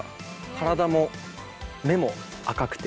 体も目も赤くて。